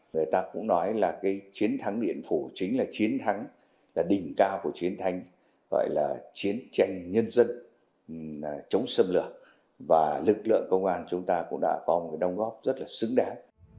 người ta cũng nói là cái chiến thắng điện phủ chính là chiến thắng là đỉnh cao của chiến thắng gọi là chiến tranh nhân dân chống xâm lược và lực lượng công an chúng ta cũng đã có một đồng góp rất là xứng đáng